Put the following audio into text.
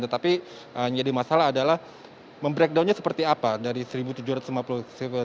tetapi jadi masalah adalah mem breakdownnya seperti apa dari rp satu tujuh ratus lima puluh triliun